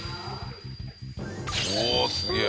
おおすげえ！